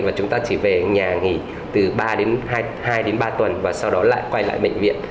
và chúng ta chỉ về nhà nghỉ từ ba hai đến ba tuần và sau đó lại quay lại bệnh viện